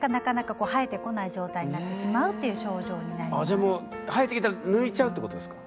あじゃあもう生えてきたら抜いちゃうってことですか？